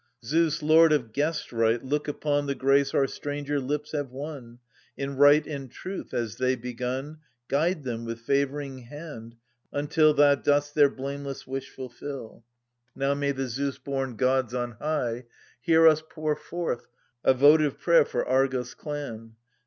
Zeus, lord of guestright, look upon The grace our stranger lips have won. In right and truth, as they begun. Guide them, with favouring hand, \ until Thou dost their blameless wish fulfil ! THE SUPPLIANT MAIDENS. Now may the Zeus born gods on high Hear us pour forth A votive prayer for Argos' clan